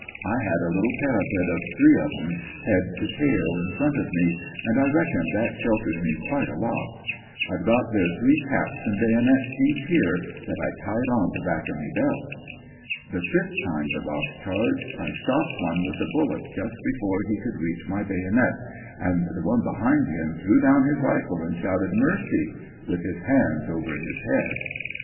I had a little parapet of three of 'em, head to tail, in front of me, and I reckon that sheltered me quite a lot. I've got their three caps and baynit sheaths here, that I tied on the back of me belt. "The fifth time the Boche charged I stopped one with a bullet just before he could reach my baynit, and the one behind him threw down his rifle an' shouted * Mercy 1' with his hands over his head.